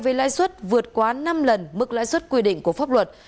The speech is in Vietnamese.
với lãi suất vượt quá năm lần mức lãi suất quy định của pháp luật